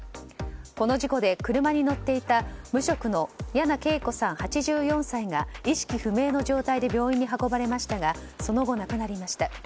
この事故で車に乗っていた無職の梁桂子さん、８４歳が意識不明の状態で病院に運ばれましたがその後、亡くなりました。